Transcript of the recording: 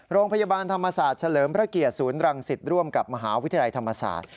โรงพยาบาลธรรมศาสตร์เฉลิมพระเกียรติศูนย์รังสิตร่วมกับมหาวิทยาลัยธรรมศาสตร์